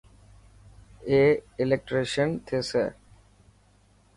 اي الڪيٽريسن ٿيسي.